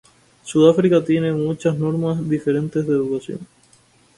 Sudáfrica tiene muchas normas diferentes de Educación.